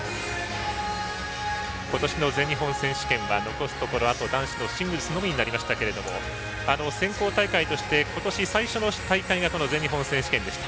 今年の全日本選手権は残すところ、あと男子シングルスのみになりましたが選考大会として今年最初の大会がこの全日本選手権でした。